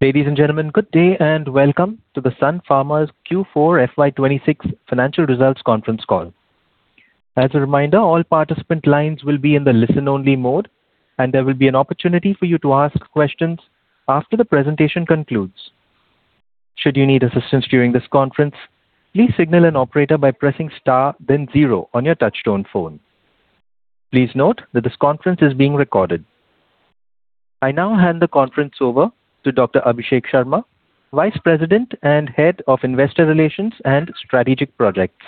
Ladies and gentlemen, good day and welcome to the Sun Pharma's Q4 FY 2026 financial results conference call. I now hand the conference over to Dr. Abhishek Sharma, Vice President and Head of Investor Relations and Strategic Projects.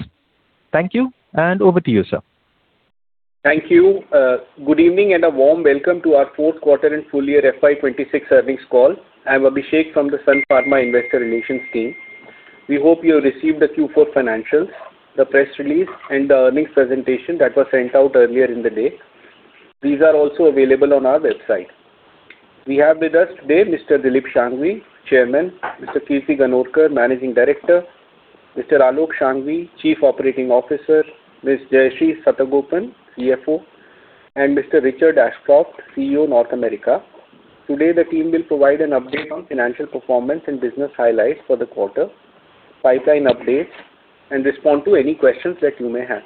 Thank you and over to you, sir. Thank you. Good evening and a warm welcome to our fourth quarter and full year FY 2026 earnings call. I'm Abhishek from the Sun Pharma investor relations team. We hope you received the Q4 financials, the press release and the earnings presentation that was sent out earlier in the day. These are also available on our website. We have with us today Mr. Dilip Shanghvi, Chairman, Mr. Kirti Ganorkar, Managing Director, Mr. Aalok Shanghvi, Chief Operating Officer, Ms. Jayashree Satagopan, CFO, and Mr. Richard Ashcroft, CEO, North America. Today, the team will provide an update on financial performance and business highlights for the quarter, pipeline updates and respond to any questions that you may have.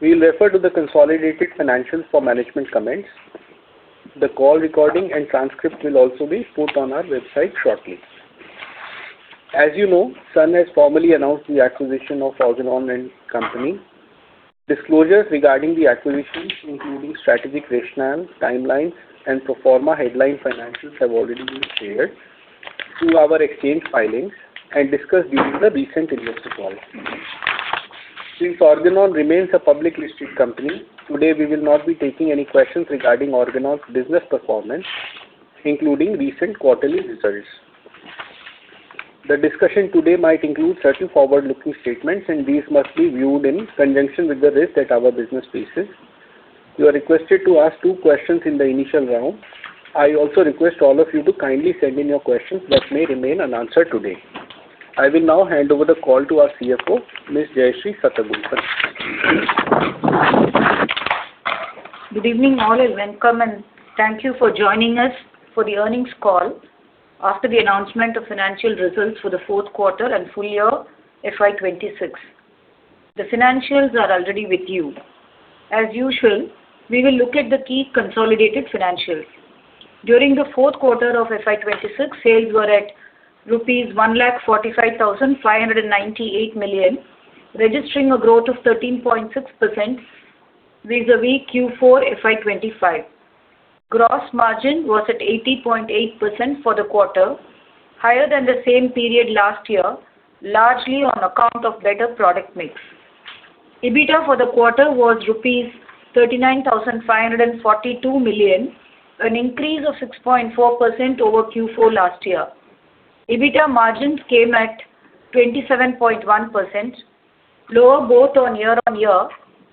We will refer to the consolidated financials for management comments. The call recording and transcript will also be put on our website shortly. As you know, Sun has formally announced the acquisition of Organon & Co. Disclosures regarding the acquisitions, including strategic rationale, timelines, and pro forma headline financials have already been shared through our exchange filings and discussed during the recent investor call. Since Organon remains a public listed company, today we will not be taking any questions regarding Organon's business performance, including recent quarterly results. The discussion today might include certain forward-looking statements, and these must be viewed in conjunction with the risk that our business faces. You are requested to ask two questions in the initial round. I also request all of you to kindly send in your questions that may remain unanswered today. I will now hand over the call to our CFO, Ms. Jayashree Satagopan. Good evening all and welcome and thank you for joining us for the earnings call after the announcement of financial results for the fourth quarter and full year FY 2026. The financials are already with you. As usual, we will look at the key consolidated financials. During the fourth quarter of FY 2026, sales were at rupees 145,598 million, registering a growth of 13.6% vis-à-vis Q4 FY 2025. Gross margin was at 80.8% for the quarter, higher than the same period last year, largely on account of better product mix. EBITDA for the quarter was rupees 39,542 million, an increase of 6.4% over Q4 last year. EBITDA margins came at 27.1%, lower both on year-on-year,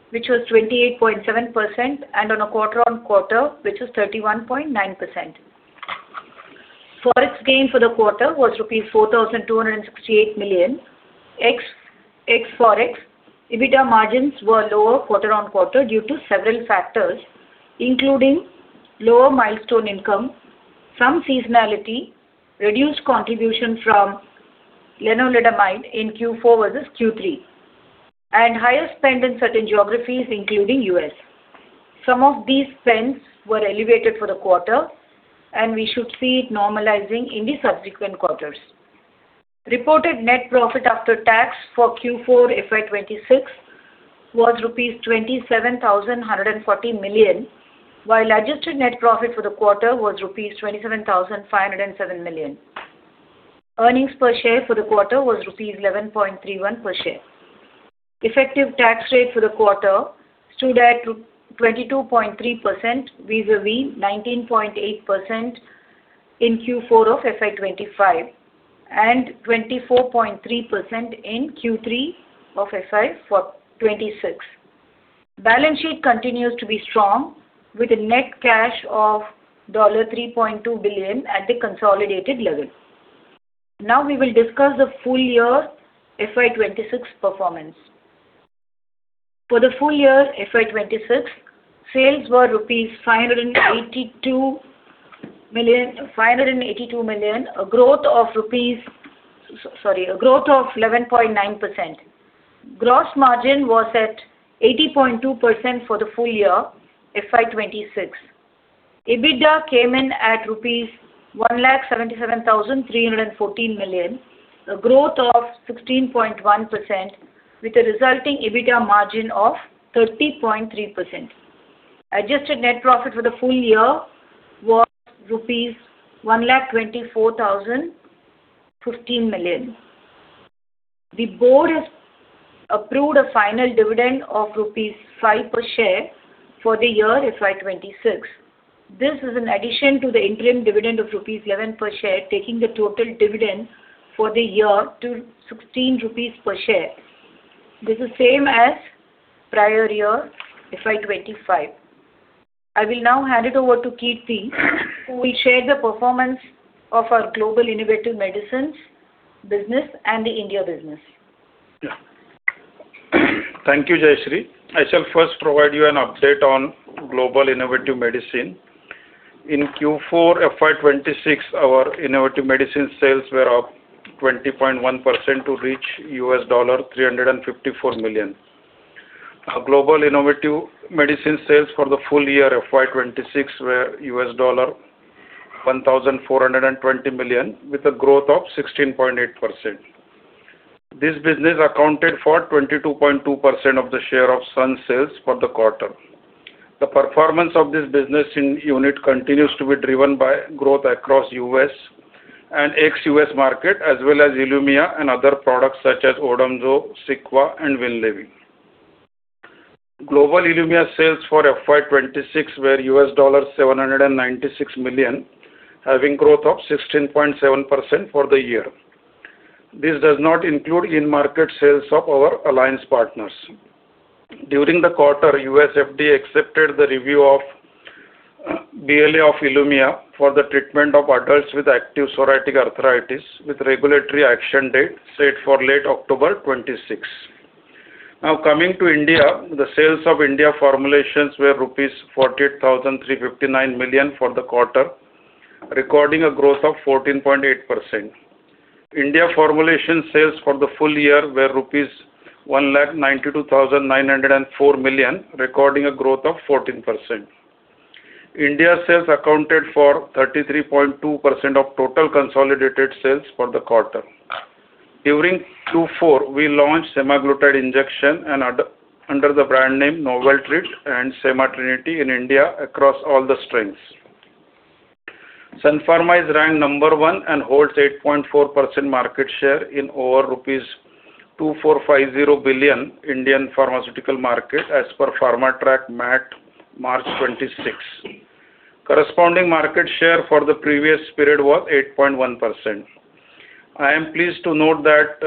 which was 28.7% and on a quarter-on-quarter, which was 31.9%. Forex gain for the quarter was rupees 4,268 million. Ex-forex, EBITDA margins were lower quarter-on-quarter due to several factors, including lower milestone income, some seasonality, reduced contribution from lenalidomide in Q4 versus Q3 and higher spend in certain geographies including U.S. Some of these spends were elevated for the quarter and we should see it normalizing in the subsequent quarters. Reported net profit after tax for Q4 FY 2026 was rupees 27,140 million, while adjusted net profit for the quarter was rupees 27,507 million. Earnings per share for the quarter was rupees 11.31 per share. Effective tax rate for the quarter stood at 22.3% vis-à-vis 19.8% in Q4 of FY 2025 and 24.3% in Q3 of FY 2026. Balance sheet continues to be strong with a net cash of $3.2 billion at the consolidated level. Now we will discuss the full year FY 2026 performance. For the full year FY 2026, sales were 582 million, a growth of 11.9%. Gross margin was at 80.2% for the full year FY 2026. EBITDA came in at rupees 177,314 million, a growth of 16.1% with a resulting EBITDA margin of 30.3%. Adjusted net profit for the full year was rupees 124,015 million. The board has approved a final dividend of rupees 5 per share for the year FY 2026. This is an addition to the interim dividend of rupees 11 per share, taking the total dividend for the year to 16 rupees per share. This is same as prior year FY 2025. I will now hand it over to Kirti, who will share the performance of our global innovative medicines business and the India business. Thank you, Jayashree. I shall first provide you an update on Global Innovative Medicine. In Q4 FY 2026, our innovative medicine sales were up 20.1% to reach $354 million. Our global innovative medicine sales for the full year of FY 2026 were $1,420 million with a growth of 16.8%. This business accounted for 22.2% of the share of Sun sales for the quarter. The performance of this business unit continues to be driven by growth across U.S. and ex-U.S. market as well as Ilumya and other products such as Odomzo, Cequa, and Winlevi. Global Ilumya sales for FY 2026 were $796 million, having growth of 16.7% for the year. This does not include in-market sales of our alliance partners. During the quarter, U.S. FDA accepted the review of BLA of Ilumya for the treatment of adults with active psoriatic arthritis with regulatory action date set for late October 2026. Coming to India. The sales of India formulations were rupees 48,359 million for the quarter, recording a growth of 14.8%. India formulation sales for the full year were rupees 192,904 million, recording a growth of 14%. India sales accounted for 33.2% of total consolidated sales for the quarter. During Q4, we launched semaglutide injection under the brand name Noveltreat and Sematrinity in India across all the strengths. Sun Pharma is ranked number one and holds 8.4% market share in over 2,450 billion rupees Indian pharmaceutical market as per PharmaTrac MAT, March 26. Corresponding market share for the previous period was 8.1%. I am pleased to note that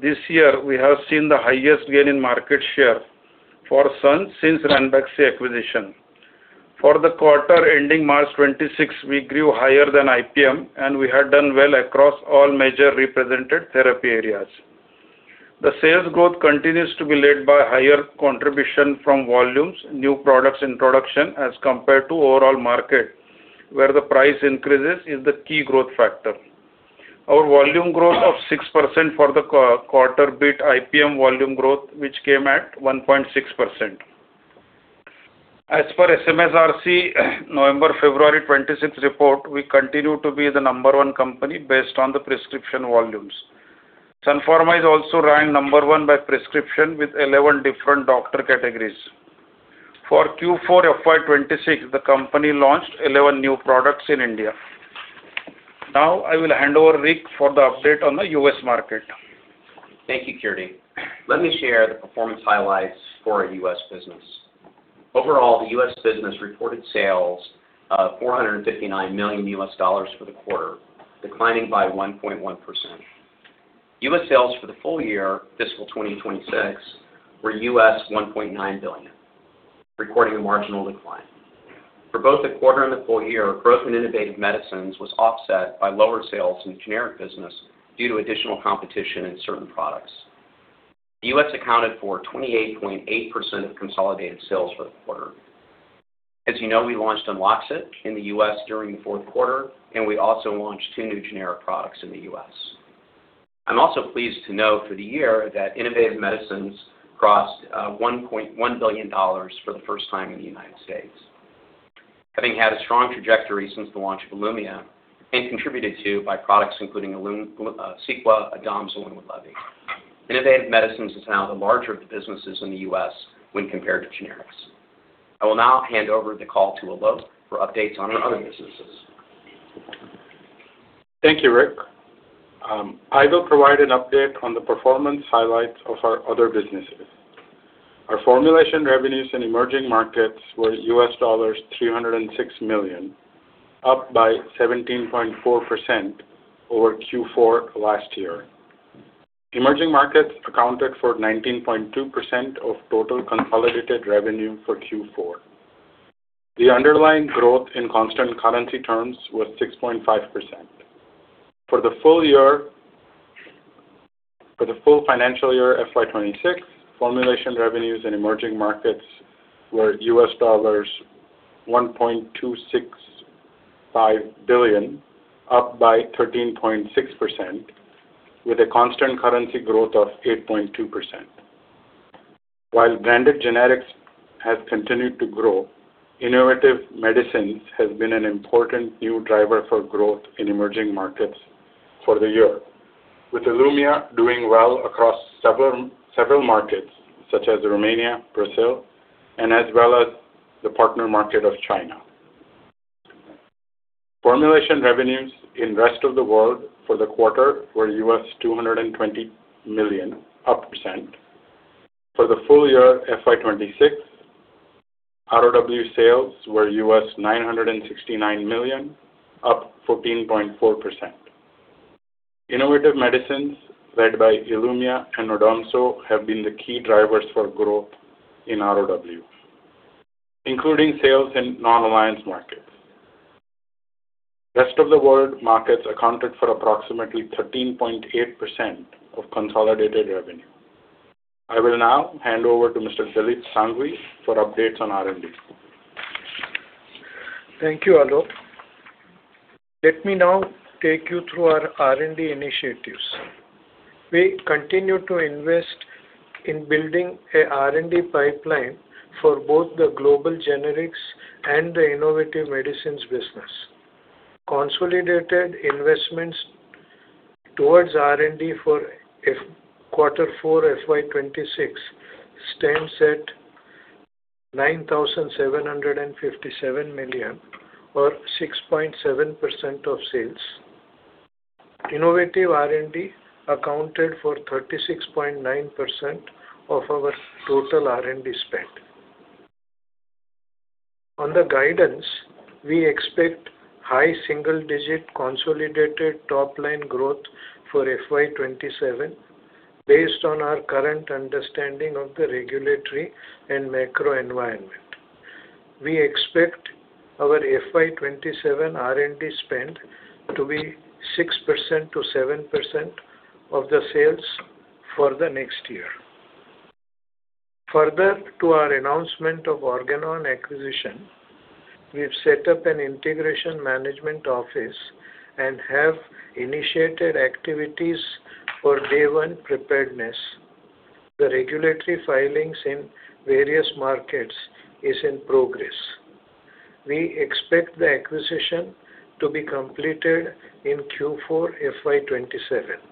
this year we have seen the highest gain in market share for Sun since Ranbaxy acquisition. For the quarter ending March 26, we grew higher than IPM. We had done well across all major represented therapy areas. The sales growth continues to be led by higher contribution from volumes, new products introduction, as compared to overall market, where the price increases is the key growth factor. Our volume growth of 6% for the quarter beat IPM volume growth, which came at 1.6%. As per SMSRC November, February 2026 report, we continue to be the number one company based on the prescription volumes. Sun Pharma is also ranked number one by prescription with 11 different doctor categories. For Q4 FY 2026, the company launched 11 new products in India. Now I will hand over Rick for the update on the U.S. market. Thank you, Kirti. Let me share the performance highlights for our U.S. business. Overall, the U.S. business reported sales of $459 million for the quarter, declining by 1.1%. U.S. sales for the full year, fiscal 2026, were $1.9 billion, recording a marginal decline. For both the quarter and the full year, growth in innovative medicines was offset by lower sales in generic business due to additional competition in certain products. The U.S. accounted for 28.8% of consolidated sales for the quarter. As you know, we launched UNLOXCYT in the U.S. during the fourth quarter. We also launched two new generic products in the U.S. I'm also pleased to note for the year that innovative medicines crossed $1.1 billion for the first time in the U.S., having had a strong trajectory since the launch of Ilumya, and contributed to by products including Cequa, Odomzo, and Winlevi. Innovative medicines is now the larger of the businesses in the U.S. when compared to generics. I will now hand over the call to Aalok for updates on our other businesses. Thank you, Rick. I will provide an update on the performance highlights of our other businesses. Our formulation revenues in emerging markets were $306 million, up by 17.4% over Q4 last year. Emerging markets accounted for 19.2% of total consolidated revenue for Q4. The underlying growth in constant currency terms was 6.5%. For the full financial year, FY 2026, formulation revenues in emerging markets were $1.265 billion, up by 13.6%, with a constant currency growth of 8.2%. While branded generics has continued to grow, innovative medicines has been an important new driver for growth in emerging markets for the year, with Ilumya doing well across several markets such as Romania, Brazil, and as well as the partner market of China. Formulation revenues in rest of the world for the quarter were $220 million, up percent. For the full year, FY 2026, ROW sales were $969 million, up 14.4%. Innovative medicines led by Ilumya and Odomzo have been the key drivers for growth in ROW, including sales in non-alliance markets. Rest of the world markets accounted for approximately 13.8% of consolidated revenue. I will now hand over to Mr. Dilip Shanghvi for updates on R&D. Thank you, Aalok. Let me now take you through our R&D initiatives. We continue to invest in building an R&D pipeline for both the global generics and the innovative medicines business. Consolidated investments towards R&D for quarter four FY 2026 stands at 9,757 million, or 6.7% of sales. Innovative R&D accounted for 36.9% of our total R&D spend. On the guidance, we expect high single-digit consolidated top-line growth for FY 2027 based on our current understanding of the regulatory and macro environment. We expect our FY 2027 R&D spend to be 6%-7% of the sales for the next year. Further to our announcement of Organon acquisition, we've set up an integration management office and have initiated activities for day one preparedness. The regulatory filings in various markets is in progress. We expect the acquisition to be completed in Q4 FY 2027.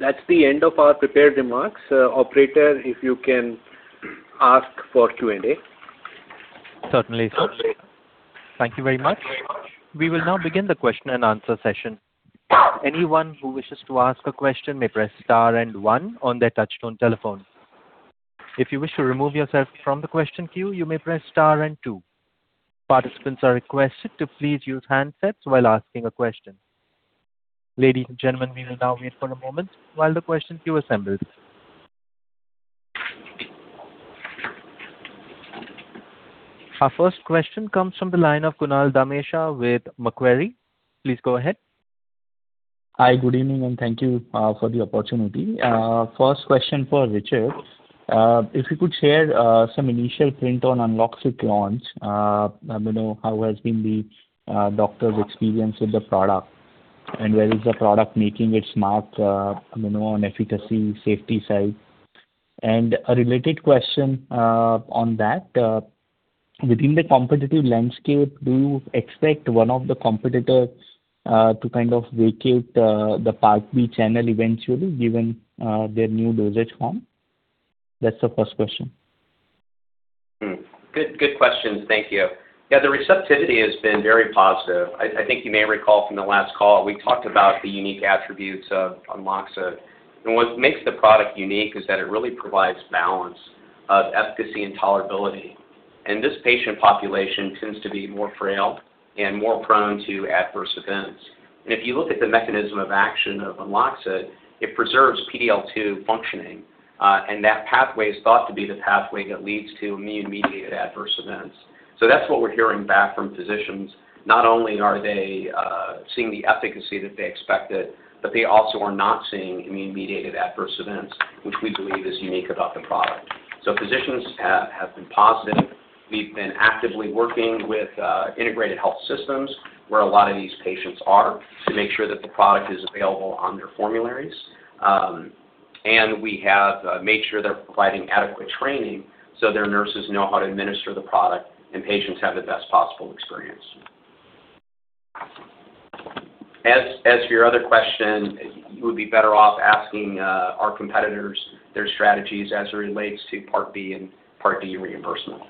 That's the end of our prepared remarks. Operator, if you can ask for Q&A. Certainly, sir. Thank you very much. We will now begin the question and answer session. Anyone who wishes to ask a question may press star and one on their touchtone telephone. If you wish to remove yourself from the question queue, you may press star and two. Participants are requested to please use handsets while asking a question. Ladies and gentlemen, we will now wait for a moment while the question queue assembles. Our first question comes from the line of Kunal Dhamesha with Macquarie. Please go ahead. Hi. Good evening, and thank you for the opportunity. First question for Richard. If you could share some initial print on UNLOXCYT launch. How has been the doctors' experience with the product, and where is the product making its mark on efficacy, safety side? A related question on that, within the competitive landscape, do you expect one of the competitors to kind of vacate the Part B channel eventually, given their new dosage form? That's the first question. Good questions. Thank you. Yeah, the receptivity has been very positive. I think you may recall from the last call, we talked about the unique attributes of UNLOXCYT. What makes the product unique is that it really provides balance of efficacy and tolerability. This patient population tends to be more frail and more prone to adverse events. If you look at the mechanism of action of UNLOXCYT, it preserves PD-L2 functioning, and that pathway is thought to be the pathway that leads to immune-mediated adverse events. That's what we're hearing back from physicians. Not only are they seeing the efficacy that they expected, but they also are not seeing immune-mediated adverse events, which we believe is unique about the product. Physicians have been positive. We've been actively working with integrated health systems where a lot of these patients are to make sure that the product is available on their formularies. We have made sure they're providing adequate training so their nurses know how to administer the product and patients have the best possible experience. For your other question, you would be better off asking our competitors their strategies as it relates to Part B and Part D reimbursement.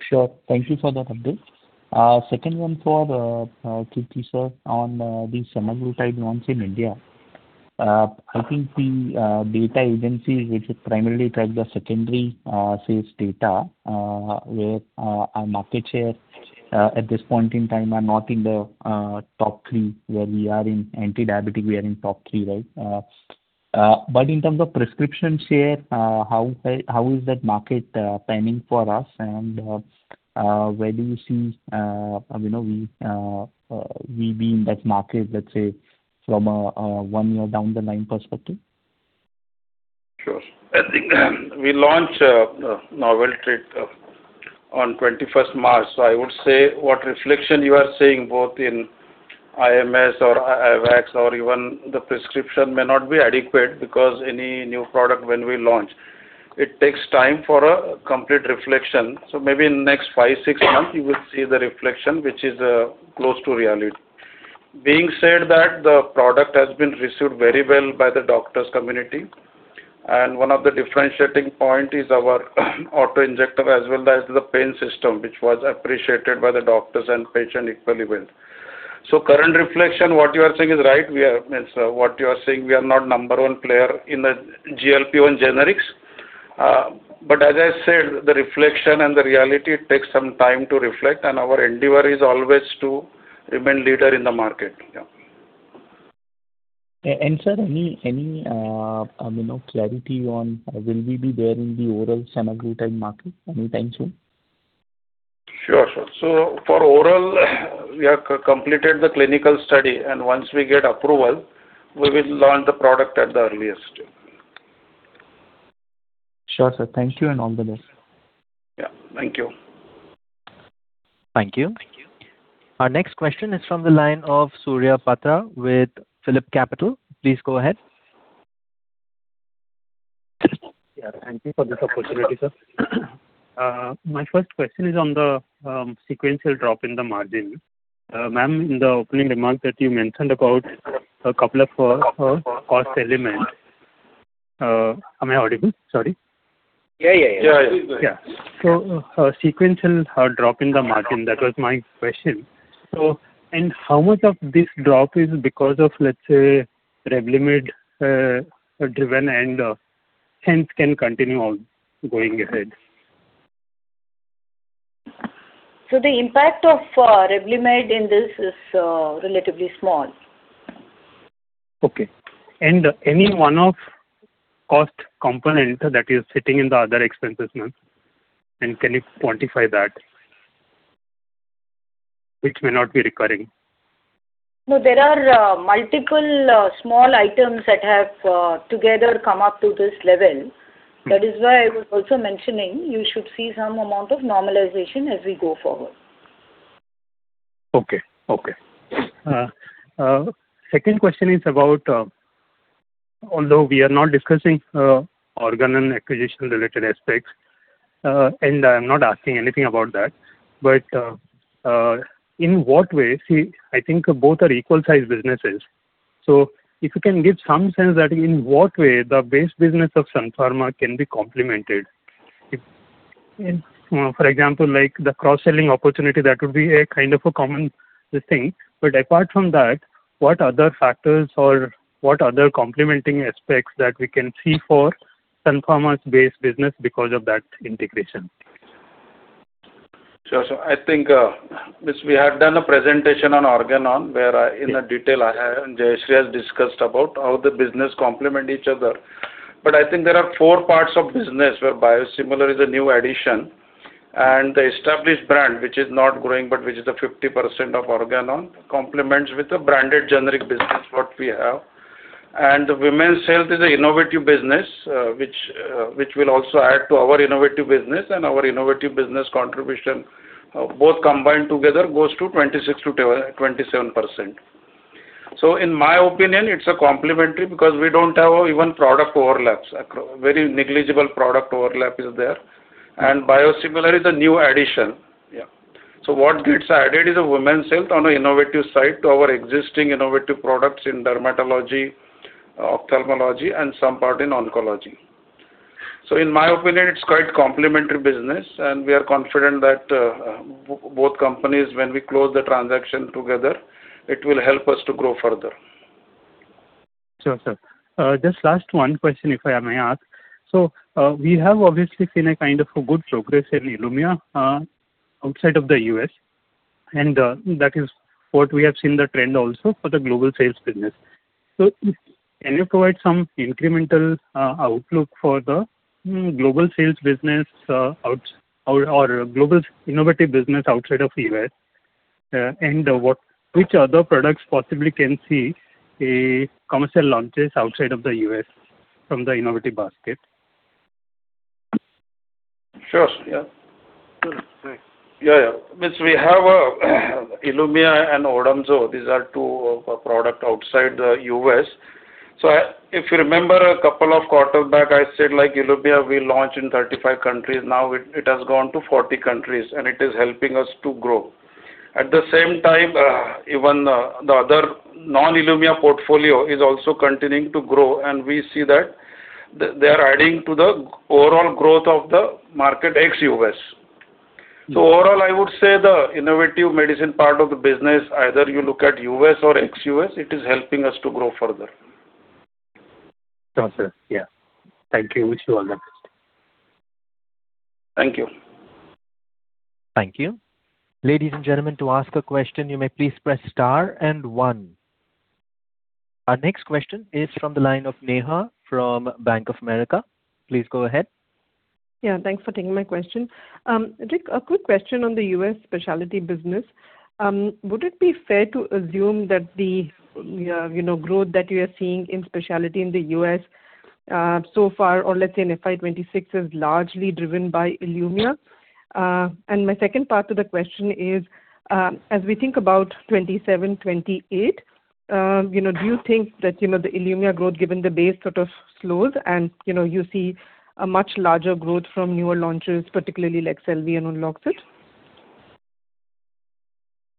Sure. Thank you for that update. Second one for Kirti Sir on the semaglutide launch in India. I think the data agencies which primarily track the secondary sales data where our market share at this point in time are not in the top 3, where we are in anti-diabetic, we are in top 3, right? In terms of prescription share how is that market panning for us, and where do you see we being in that market, let's say, from a one year down the line perspective? Sure. I think we launched Noveltreat on 21st March. I would say what reflection you are seeing both in IMS or [IQVIA] or even the prescription may not be adequate because any new product when we launch, it takes time for a complete reflection. Maybe in next five, six months you will see the reflection which is close to reality. Being said that, the product has been received very well by the doctors' community and one of the differentiating point is our auto-injector as well as the pen system which was appreciated by the doctors and patient equally well. Current reflection, what you are saying is right. What you are saying we are not number one player in the GLP-1 generics. As I said, the reflection and the reality, it takes some time to reflect and our endeavor is always to remain leader in the market. Sir, any clarity on will we be there in the oral semaglutide market anytime soon? Sure. For oral we have completed the clinical study, and once we get approval, we will launch the product at the earliest. Sure, sir. Thank you, and all the best. Yeah. Thank you. Thank you. Our next question is from the line of Surya Patra with PhillipCapital. Please go ahead. Yeah. Thank you for this opportunity, sir. My first question is on the sequential drop in the margin. Ma'am, in the opening remarks that you mentioned about two cost elements. Am I audible? Sorry. Yeah. Yeah. Sequential drop in the margin, that was my question. How much of this drop is because of, let's say, Revlimid-driven and hence can continue on going ahead? The impact of Revlimid in this is relatively small. Okay. Any one-off cost component that is sitting in the other expenses, ma'am? Can you quantify that? Which may not be recurring. No, there are multiple small items that have together come up to this level. That is why I was also mentioning you should see some amount of normalization as we go forward. Okay. Second question is about although we are not discussing Organon acquisition-related aspects, and I am not asking anything about that. I think both are equal-sized businesses. If you can give some sense that in what way the base business of Sun Pharma can be complemented. For example, the cross-selling opportunity, that would be a kind of a common thing. But apart from that, what other factors or what other complementing aspects that we can see for Sun Pharma's base business because of that integration? Sure. We have done a presentation on Organon where in detail Jayashree has discussed about how the business complement each other. There are four parts of business where biosimilar is a new addition, and the established brand, which is not growing but which is the 50% of Organon, complements with the branded generic business, what we have. The women's health is an innovative business, which will also add to our innovative business. Our innovative business contribution, both combined together, goes to 26%-27%. In my opinion, it's complementary because we don't have even product overlaps. Very negligible product overlap is there. Biosimilar is a new addition. What gets added is a women's health on an innovative side to our existing innovative products in dermatology, ophthalmology, and some part in oncology. In my opinion, it's quite complementary business, and we are confident that both companies, when we close the transaction together, it will help us to grow further. Sure, sir. Just last one question, if I may ask. We have obviously seen a kind of a good progress in Ilumya outside of the U.S., and that is what we have seen the trend also for the global sales business. Can you provide some incremental outlook for the global sales business or global innovative business outside of U.S.? Which other products possibly can see commercial launches outside of the U.S. from the innovative basket? Sure. Yeah. Means we have Ilumya and Odomzo. These are two product outside the U.S. If you remember a couple of quarters back, I said Ilumya will launch in 35 countries. Now it has gone to 40 countries, and it is helping us to grow. At the same time, even the other non-Ilumya portfolio is also continuing to grow, and we see that they are adding to the overall growth of the market ex-U.S. Overall, I would say the innovative medicine part of the business, either you look at U.S. or ex-U.S., it is helping us to grow further. Sure, sir. Yeah. Thank you. Wish you all the best. Thank you. Thank you. Ladies and gentlemen, to ask a question, you may please press star and one. Our next question is from the line of Neha from Bank of America. Please go ahead. Yeah, thanks for taking my question. Rick, a quick question on the U.S. specialty business. Would it be fair to assume that the growth that you are seeing in specialty in the U.S. so far, or let's say in FY 2026, is largely driven by Ilumya? My second part to the question is, as we think about 2027, 2028, do you think that the Ilumya growth, given the base, sort of slows and you see a much larger growth from newer launches, particularly like LEQSELVI and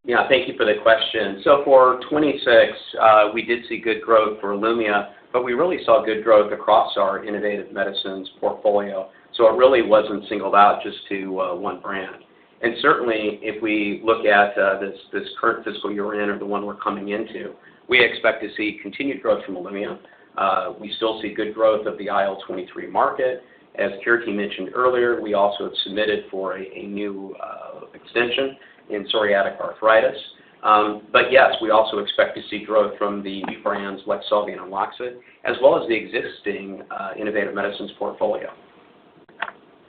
UNLOXCYT? Thank you for the question. For 2026, we did see good growth for Ilumya, but we really saw good growth across our innovative medicines portfolio. It really wasn't singled out just to one brand. Certainly, if we look at this current fiscal year-end or the one we're coming into, we expect to see continued growth from Ilumya. We still see good growth of the IL-23 market. As Kirti mentioned earlier, we also have submitted for a new extension in psoriatic arthritis. Yes, we also expect to see growth from the brands LEQSELVI and UNLOXCYT, as well as the existing innovative medicines portfolio.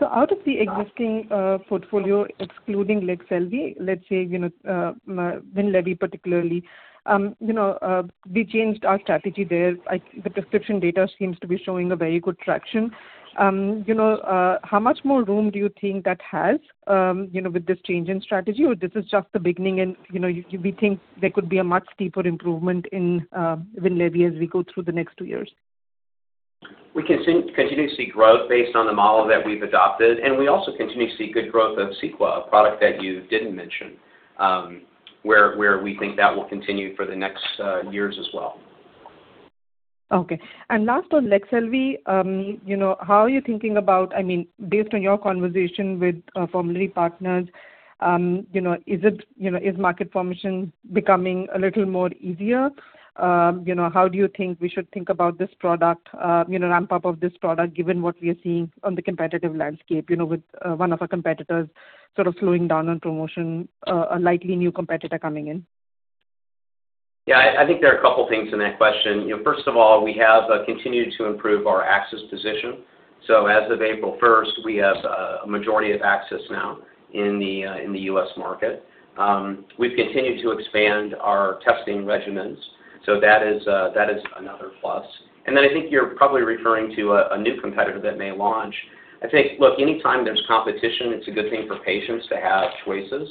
Out of the existing portfolio, excluding LEQSELVI, let's say, Winlevi particularly, we changed our strategy there. The prescription data seems to be showing a very good traction. How much more room do you think that has with this change in strategy? Or this is just the beginning and we think there could be a much steeper improvement in Winlevi as we go through the next 2 years? We continue to see growth based on the model that we've adopted. We also continue to see good growth of Cequa, a product that you didn't mention, where we think that will continue for the next years as well. Okay. Last on LEQSELVI. How are you thinking about, based on your conversation with formulary partners, is market formation becoming a little more easier? How do you think we should think about this product, ramp up of this product, given what we are seeing on the competitive landscape, with one of our competitors sort of slowing down on promotion, a likely new competitor coming in? I think there are a couple things in that question. First of all, we have continued to improve our access position. As of April 1st, we have a majority of access now in the U.S. market. We've continued to expand our testing regimens. That is another plus. Then I think you're probably referring to a new competitor that may launch. I think, look, anytime there's competition, it's a good thing for patients to have choices.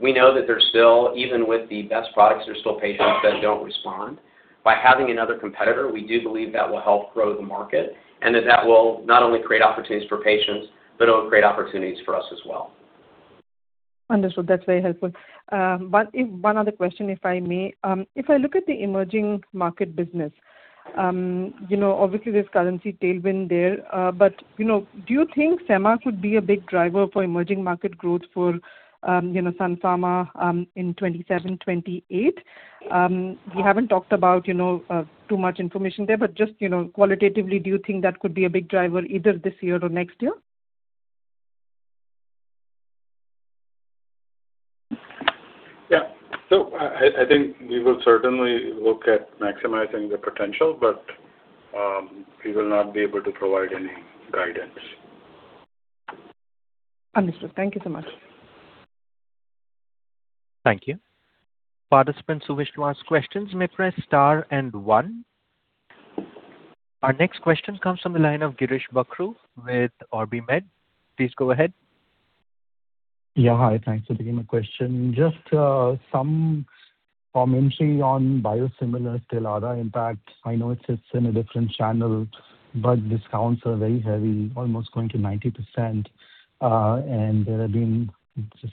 We know that there's still, even with the best products, there's still patients that don't respond. By having another competitor, we do believe that will help grow the market and that will not only create opportunities for patients, but it will create opportunities for us as well. Understood. That's very helpful. One other question, if I may. If I look at the emerging market business, obviously there's currency tailwind there, do you think semaglutide could be a big driver for emerging market growth for Sun Pharma in 2027, 2028? You haven't talked about too much information there, just qualitatively, do you think that could be a big driver either this year or next year? Yeah. I think we will certainly look at maximizing the potential, but we will not be able to provide any guidance. Understood. Thank you so much. Thank you. Participants who wish to ask questions may press star and one. Our next question comes from the line of Girish Bakhru with OrbiMed. Please go ahead. Yeah. Hi. Thanks for taking my question. Just some commentary on biosimilar STELARA impact. I know it sits in a different channel, but discounts are very heavy, almost going to 90%, and there have been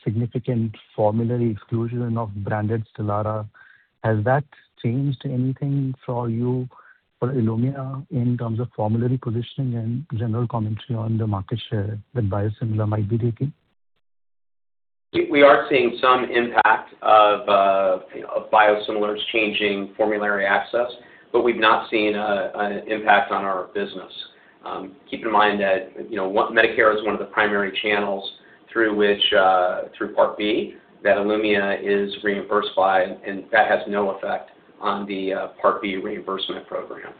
significant formulary exclusion of branded STELARA. Has that changed anything for you, for Ilumya in terms of formulary positioning and general commentary on the market share that biosimilar might be taking? We are seeing some impact of biosimilars changing formulary access, but we've not seen an impact on our business. Keep in mind that Medicare is one of the primary channels through which, through Part B, that Ilumya is reimbursed by, and that has no effect on the Part B reimbursement program.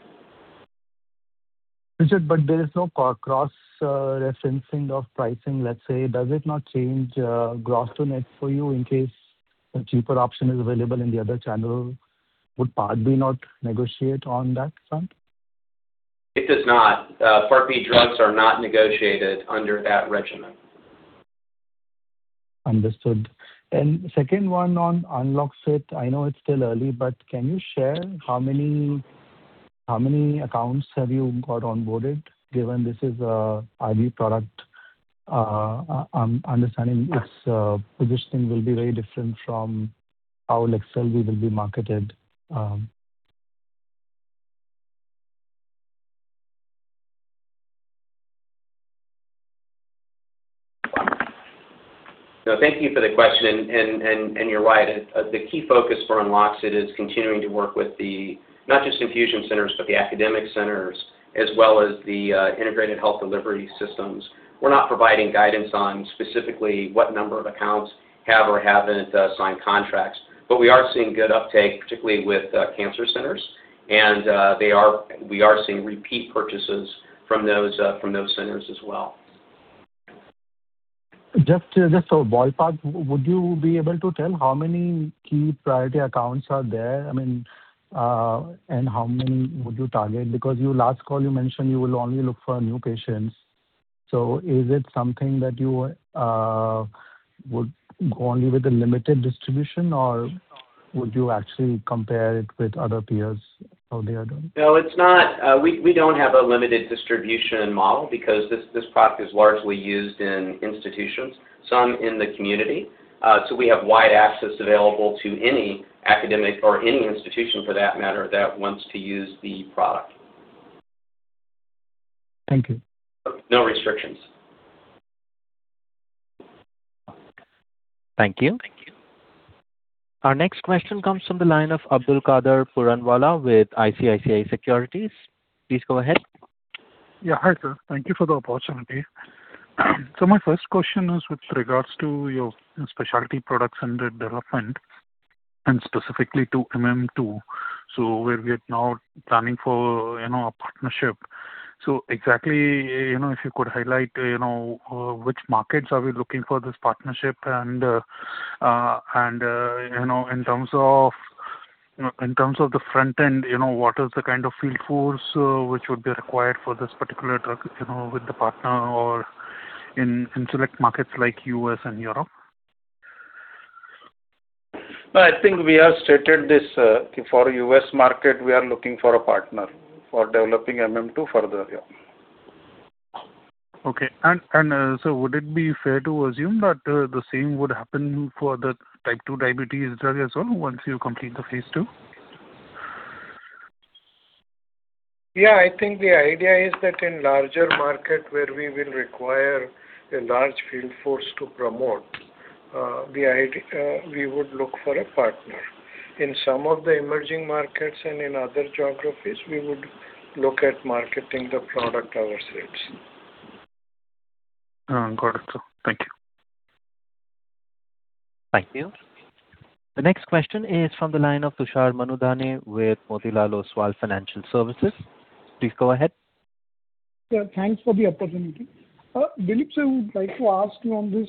Richard, there is no cross-referencing of pricing, let's say. Does it not change gross to net for you in case a cheaper option is available in the other channel? Would Part B not negotiate on that front? It does not. Part B drugs are not negotiated under that regimen. Understood. Second one on UNLOXCYT. I know it's still early, but can you share how many accounts have you got onboarded given this is an IV product? I'm understanding its positioning will be very different from how LEQSELVI will be marketed. No, thank you for the question. You're right. The key focus for UNLOXCYT is continuing to work with the, not just infusion centers, but the academic centers as well as the integrated health delivery systems. We're not providing guidance on specifically what number of accounts have or haven't signed contracts. We are seeing good uptake, particularly with cancer centers. We are seeing repeat purchases from those centers as well. Just so ballpark, would you be able to tell how many key priority accounts are there? How many would you target? Last call you mentioned you will only look for new patients. Is it something that you would go only with a limited distribution, or would you actually compare it with other peers, how they are doing? No, we don't have a limited distribution model because this product is largely used in institutions, some in the community. We have wide access available to any academic or any institution for that matter that wants to use the product. Thank you. No restrictions. Thank you. Our next question comes from the line of Abdulkader Puranwala with ICICI Securities. Please go ahead. Yeah. Hi, sir. Thank you for the opportunity. My first question is with regards to your specialty products under development and specifically to MM-II. Where we are now planning for a partnership. Exactly, if you could highlight, which markets are we looking for this partnership and, in terms of the front end, what is the kind of field force which would be required for this particular drug with the partner or in select markets like U.S. and Europe? No, I think we have stated this. For U.S. market, we are looking for a partner for developing MM-II further. Yeah. Okay. Sir, would it be fair to assume that the same would happen for the type two diabetes drug as well once you complete the phase II? Yeah, I think the idea is that in larger market where we will require a large field force to promote, we would look for a partner. In some of the emerging markets and in other geographies, we would look at marketing the product ourselves. Got it, sir. Thank you. Thank you. The next question is from the line of Tushar Manudhane with Motilal Oswal Financial Services. Please go ahead. Thanks for the opportunity. Dilip, I would like to ask you on this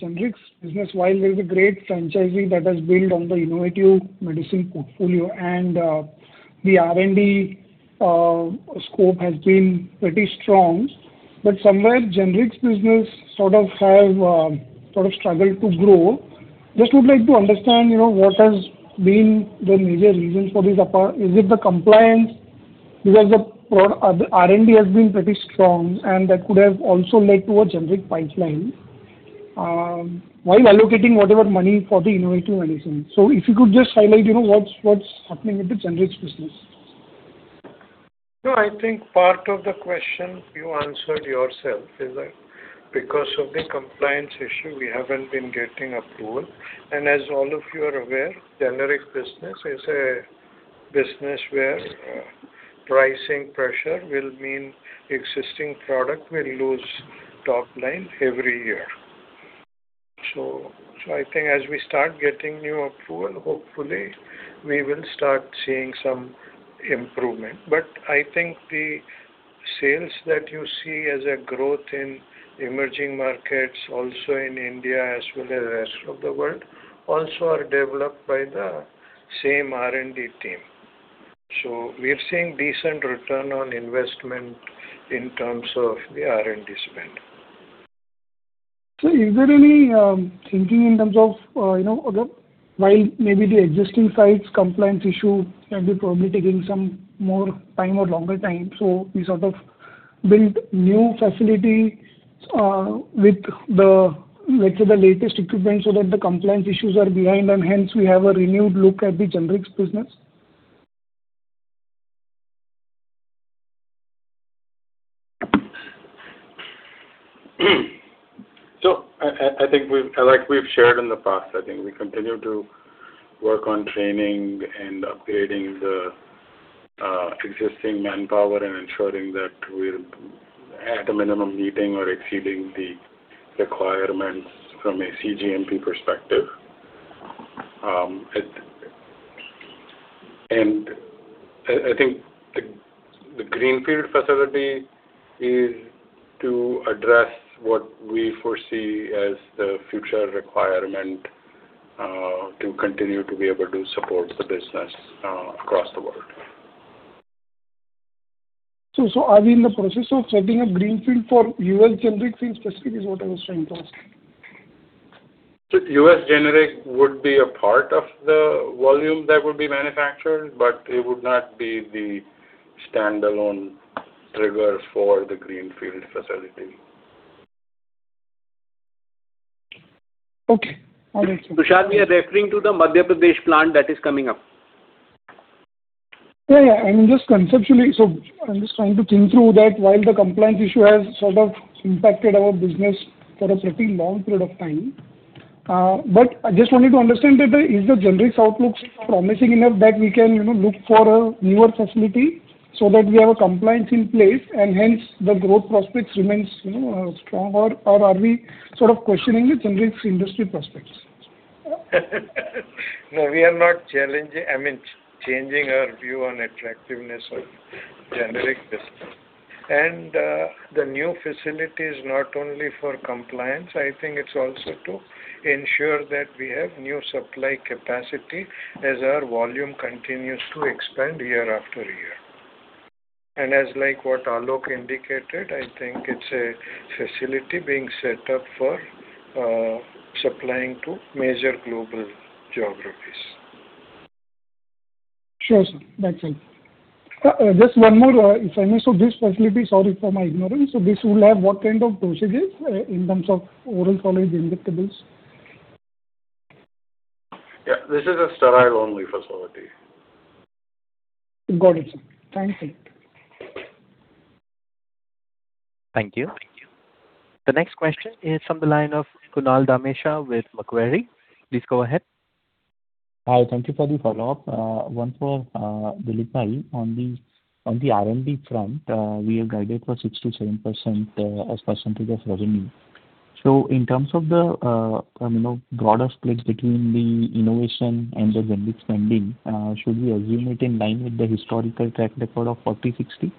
generics business, while there is a great franchise that has built on the innovative medicine portfolio and the R&D scope has been pretty strong, but somewhere generics business sort of struggle to grow. Just would like to understand what has been the major reason for this. Is it the compliance because the R&D has been pretty strong and that could have also led to a generic pipeline, while allocating whatever money for the innovative medicine. If you could just highlight what's happening with the generics business. No, I think part of the question you answered yourself is that because of the compliance issue, we haven't been getting approval. As all of you are aware, generic business is a business where pricing pressure will mean existing product will lose top line every year. I think as we start getting new approval, hopefully we will start seeing some improvement. I think the sales that you see as a growth in emerging markets, also in India as well as rest of the world, also are developed by the same R&D team. We are seeing decent return on investment in terms of the R&D spend. Is there any thinking in terms of while maybe the existing sites compliance issue can be probably taking some more time or longer time, so we sort of build new facility with the, let's say, the latest equipment so that the compliance issues are behind and hence we have a renewed look at the generics business? I think like we've shared in the past, I think we continue to work on training and upgrading the existing manpower and ensuring that we're at a minimum meeting or exceeding the requirements from a cGMP perspective. I think the greenfield facility is to address what we foresee as the future requirement, to continue to be able to support the business across the world. Are we in the process of setting up greenfield for U.S. generic field specifically is what I was trying to ask. U.S. generic would be a part of the volume that would be manufactured, but it would not be the standalone triggers for the greenfield facility. Okay. All right, sir. Tushar, we are referring to the Madhya Pradesh plant that is coming up. Yeah. I'm just trying to think through that while the compliance issue has sort of impacted our business for a pretty long period of time. I just wanted to understand that is the generics outlook promising enough that we can look for a newer facility so that we have a compliance in place and hence the growth prospects remains strong or are we sort of questioning the generics industry prospects? No, we are not challenging, I mean, changing our view on attractiveness of generic business. The new facility is not only for compliance, I think it's also to ensure that we have new supply capacity as our volume continues to expand year after year. As like what Aalok indicated, I think it's a facility being set up for supplying to major global geographies. Sure, sir. That's it. Just one more if I may. This facility, sorry for my ignorance. This will have what kind of dosages in terms of oral solids, injectables? Yeah, this is a sterile-only facility. Got it, sir. Thanks. Thank you. The next question is from the line of Kunal Dhamesha with Macquarie. Please go ahead. Hi. Thank you for the follow-up. One for Dilipbhai. On the R&D front, we are guided for 67% as percentage of revenue. In terms of the broader split between the innovation and the generic spending, should we assume it in line with the historical track record of 40/60?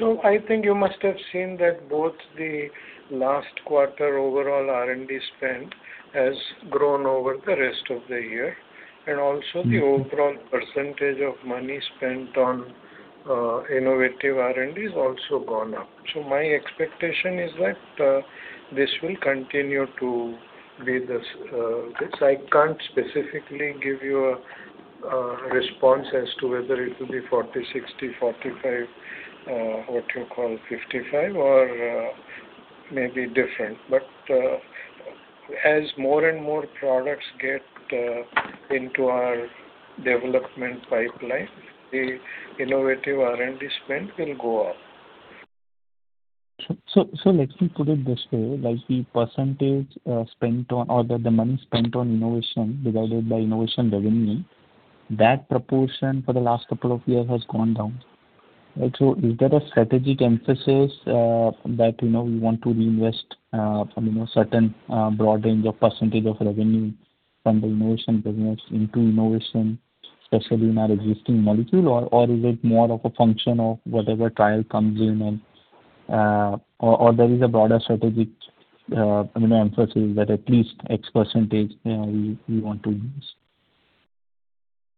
I think you must have seen that both the last quarter overall R&D spend has grown over the rest of the year, and also the overall percentage of money spent on innovative R&D has also gone up. My expectation is that this will continue to be this. I can't specifically give you a response as to whether it will be 40/60, 45/55, or maybe different. As more and more products get into our development pipeline, the innovative R&D spend will go up. Let me put it this way, the money spent on innovation divided by innovation revenue, that proportion for the last couple of years has gone down. Is that a strategic emphasis that we want to reinvest a certain broad range of % of revenue from the innovation business into innovation, especially in our existing molecule? Or is it more of a function of whatever trial comes in and, or there is a broader strategic emphasis that at least X% we want to use?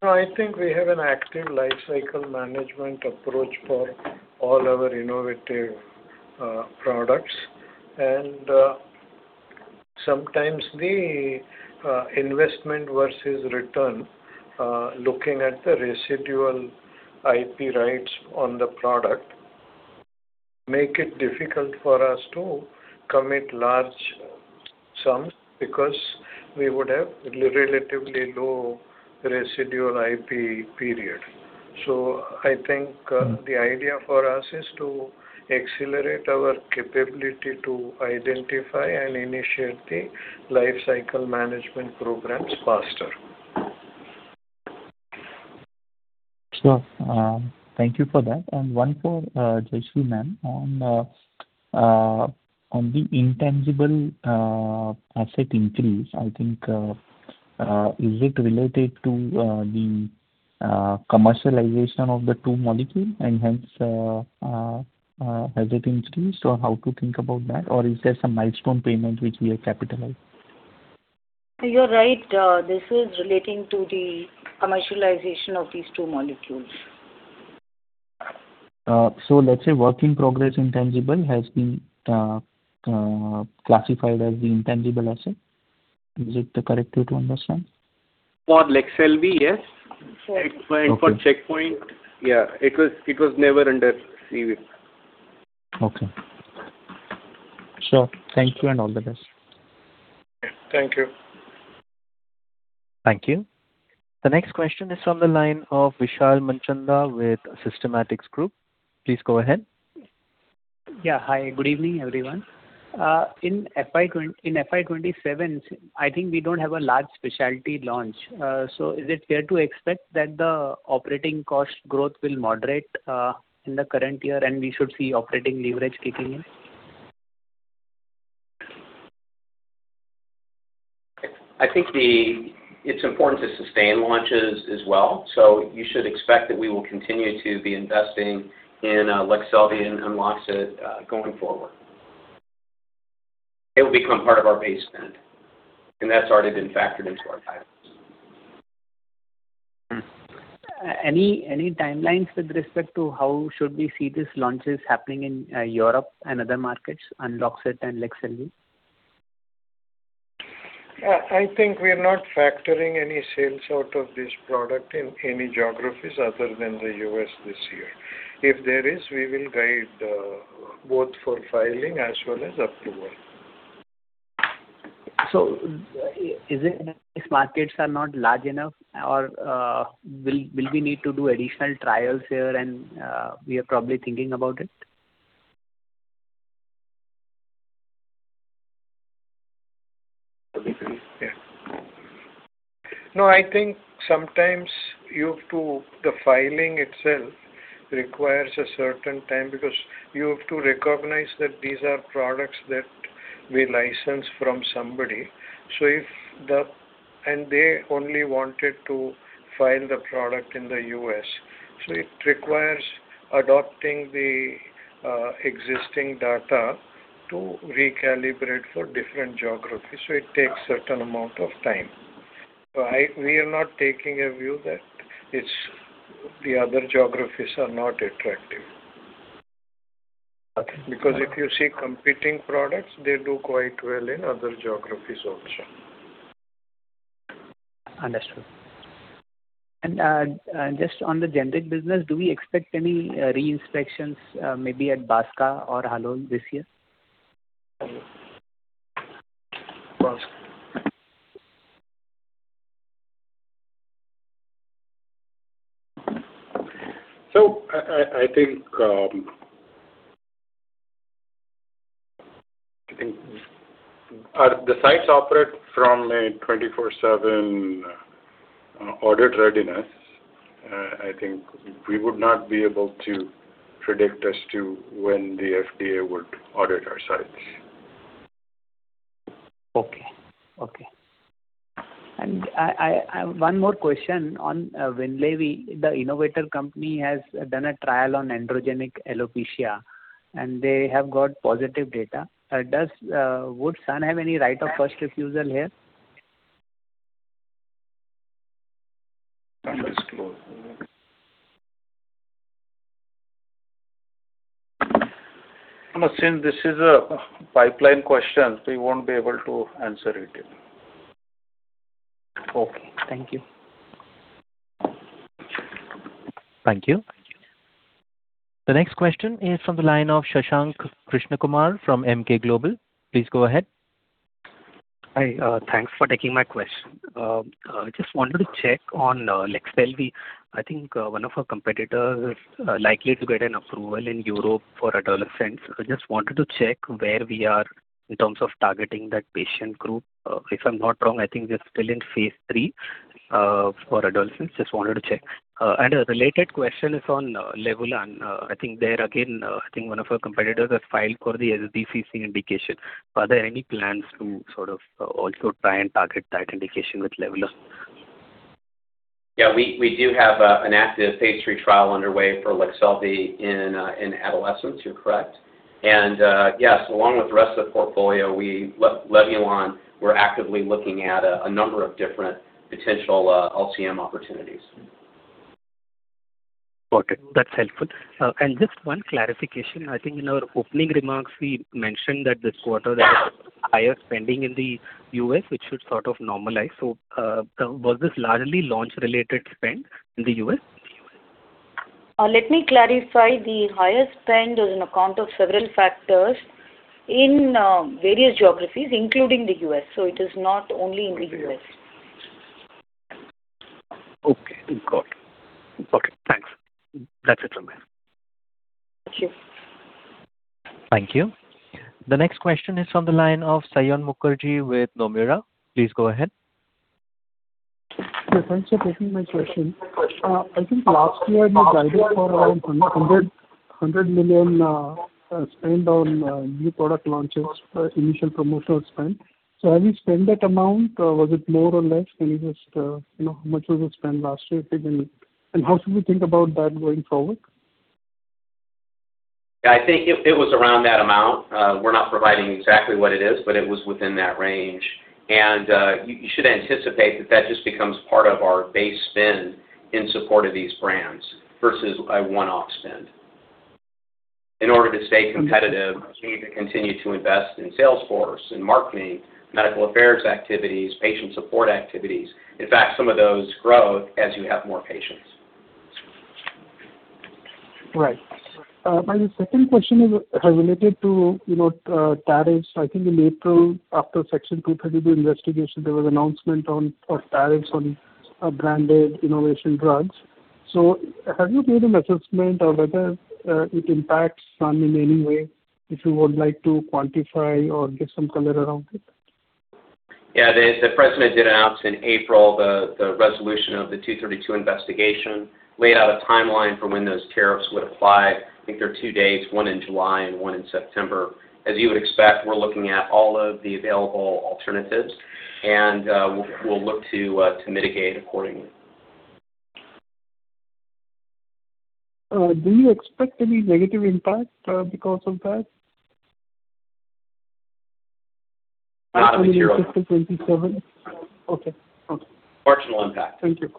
I think we have an active Life Cycle Management approach for all our innovative products, and sometimes the investment versus return, looking at the residual IP rights on the product, make it difficult for us to commit large sums because we would have relatively low residual IP periods. I think the idea for us is to accelerate our capability to identify and initiate the Life Cycle Management programs faster. Sure. Thank you for that. One for Jayashree Ma'am. On the intangible asset increase, I think is it related to the commercialization of the two molecule and hence has it increased or how to think about that? Or is there some milestone payment which we have capitalized? You're right. This is relating to the commercialization of these two molecules. Let's say work in progress intangible has been classified as the intangible asset. Is it the correct way to understand? For LEQSELVI, yes. Okay. For checkpoint, yeah, it was never under CWIP. Okay. Sure. Thank you and all the best. Thank you. Thank you. The next question is from the line of Vishal Manchanda with Systematix Group. Please go ahead. Yeah. Hi, good evening, everyone. In FY 2027, I think we don't have a large specialty launch. Is it fair to expect that the operating cost growth will moderate in the current year and we should see operating leverage kicking in? I think it's important to sustain launches as well. You should expect that we will continue to be investing in LEQSELVI and UNLOXCYT going forward. It will become part of our base spend, and that's already been factored into our guidance. Any timelines with respect to how should we see these launches happening in Europe and other markets, UNLOXCYT and LEQSELVI? I think we are not factoring any sales out of this product in any geographies other than the U.S. this year. If there is, we will guide both for filing as well as approval. Is it that these markets are not large enough or will we need to do additional trials here and we are probably thinking about it? I think sometimes the filing itself requires a certain time because you have to recognize that these are products that we license from somebody. They only wanted to file the product in the U.S. It requires adopting the existing data to recalibrate for different geographies, so it takes certain amount of time. We are not taking a view that the other geographies are not attractive. Okay. If you see competing products, they do quite well in other geographies also. Understood. Just on the generic business, do we expect any re-inspections maybe at Baska or Halol this year? I think the sites operate from a 24/7 audit readiness. I think we would not be able to predict as to when the FDA would audit our sites. Okay. I have one more question on [Winlevi]. The innovator company has done a trial on androgenetic alopecia, they have got positive data. Would Sun have any right of first refusal here? That is closed. Since this is a pipeline question, we won't be able to answer it. Okay. Thank you. Thank you. The next question is from the line of Shashank Krishnakumar from Emkay Global. Please go ahead. Hi. Thanks for taking my question. Just wanted to check on LEQSELVI. I think one of our competitors is likely to get an approval in Europe for adolescents. I just wanted to check where we are in terms of targeting that patient group. If I'm not wrong, I think we're still in phase III for adolescents. Just wanted to check. A related question is on Levulan. I think there again, I think one of our competitors has filed for the SDCC indication. Are there any plans to also try and target that indication with Levulan? We do have an active phase III trial underway for LEQSELVI in adolescents, you're correct. Yes, along with the rest of the portfolio, LEVULAN, we're actively looking at a number of different potential LCM opportunities. Okay. That's helpful. Just one clarification. I think in our opening remarks, we mentioned that this quarter there was higher spending in the U.S., which should sort of normalize. Was this largely launch-related spend in the U.S.? Let me clarify. The higher spend is on account of several factors in various geographies, including the U.S. It is not only in the U.S. Okay, got it. Okay, thanks. That's it from me. Thank you. Thank you. The next question is from the line of Saion Mukherjee with Nomura. Please go ahead. Thanks for taking my question. I think last year you guided for around $100 million spend on new product launches, initial promotional spend. Have you spent that amount, or was it more or less? How much was it spent last year, if you can? How should we think about that going forward? I think it was around that amount. We're not providing exactly what it is, but it was within that range. You should anticipate that that just becomes part of our base spend in support of these brands versus a one-off spend. In order to stay competitive, we need to continue to invest in salesforce, in marketing, medical affairs activities, patient support activities. In fact, some of those grow as you have more patients. Right. My second question is related to tariffs. I think in April, after Section 232 investigation, there was announcement on tariffs on branded innovation drugs. Have you made an assessment of whether it impacts Sun in any way? If you would like to quantify or give some color around it. Yeah. The president did announce in April the resolution of the 232 investigation, laid out a timeline for when those tariffs would apply. I think there are two dates, one in July and one in September. As you would expect, we're looking at all of the available alternatives, and we'll look to mitigate accordingly. Do you expect any negative impact because of that? Not material. 25/26 or 27? Okay. Marginal impact. Thank you.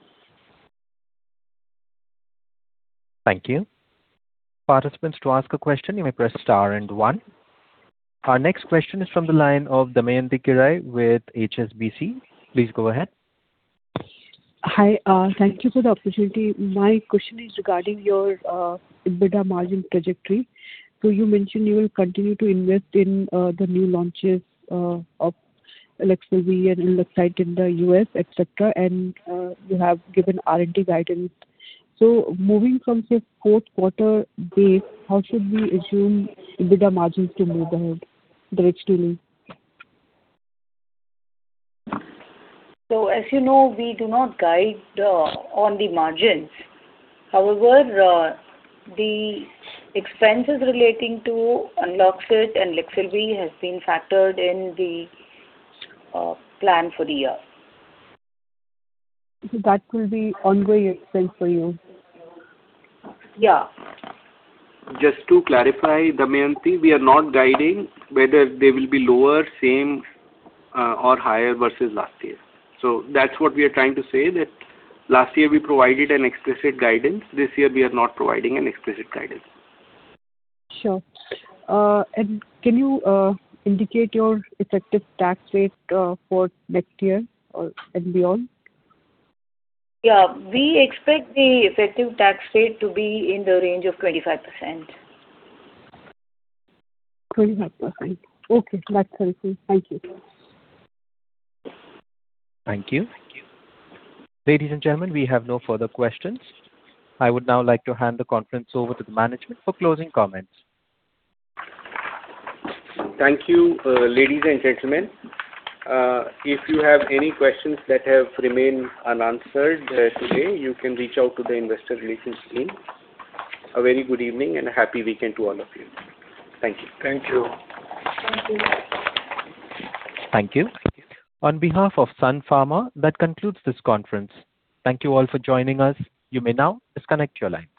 Thank you. Participants, to ask a question, you may press star and one. Our next question is from the line of Damayanti Kerai with HSBC. Please go ahead. Hi. Thank you for the opportunity. My question is regarding your EBITDA margin trajectory. You mentioned you will continue to invest in the new launches of LEQSELVI and UNLOXCYT in the U.S., et cetera, and you have given R&D guidance. Moving from this 4th quarter base, how should we assume EBITDA margins to move ahead, directionally? As you know, we do not guide on the margins. However, the expenses relating to UNLOXCYT and LEQSELVI has been factored in the plan for the year. That will be ongoing expense for you? Yeah. Just to clarify, Damayanti, we are not guiding whether they will be lower, same, or higher versus last year. That's what we are trying to say, that last year we provided an explicit guidance. This year, we are not providing an explicit guidance. Sure. Can you indicate your effective tax rate for next year and beyond? We expect the effective tax rate to be in the range of 25%. 25%. Okay. That's helpful. Thank you. Thank you. Ladies and gentlemen, we have no further questions. I would now like to hand the conference over to the management for closing comments. Thank you, ladies and gentlemen. If you have any questions that have remained unanswered today, you can reach out to the investor relations team. A very good evening and a happy weekend to all of you. Thank you. Thank you. Thank you. Thank you. On behalf of Sun Pharma, that concludes this conference. Thank you all for joining us. You may now disconnect your line.